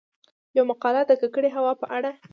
يومـقاله د کـکړې هـوا په اړه :